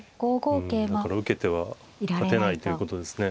だから受けては勝てないということですね。